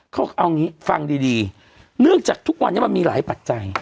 เขาเอางี้ฟังดีเนื่องจากทุกวันนี้มันมีหลายปัจจัย